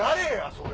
それ。